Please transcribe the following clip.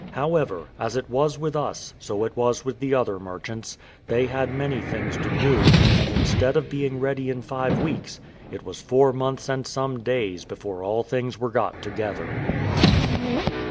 However, as it was with us, so it was with the other merchants: they had many things to do, and instead of being ready in five weeks, it was four months and some days before all things were got together.